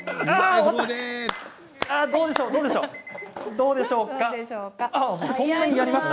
どうでしょうか。